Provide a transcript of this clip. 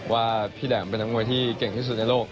ว่าพี่แหลมเป็นนักมวยที่เก่งที่สุดในโลก